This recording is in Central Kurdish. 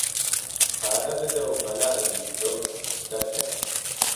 پاره بدهو مهلا له مزگهوت دهرکه